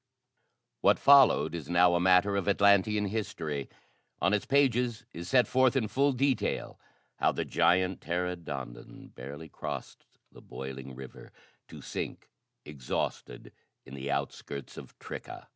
What followed is now a matter of Atlantean history. On its pages is set forth in full detail how the giant pteranodon barely crossed the boiling river to sink exhausted in the outskirts of Tricca.